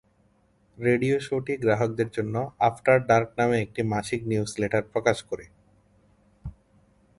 Radio শোটি গ্রাহকদের জন্য 'আফটার ডার্ক' নামে একটি মাসিক নিউজলেটার প্রকাশ করে।